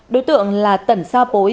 đối tượng là tẩn sa pối